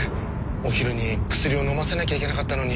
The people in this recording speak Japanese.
お昼に薬をのませなきゃいけなかったのに。